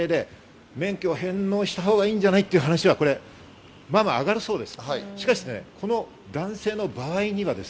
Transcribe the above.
そのご家庭で免許を返納したほうがいいんじゃない？っていう話は間々あがるそうです。